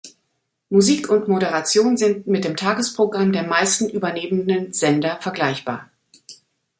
Musik und Moderation sind mit dem Tagesprogramm der meisten übernehmenden Sender vergleichbar.